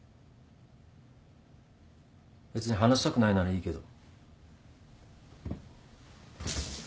別に話したくないならいいけど。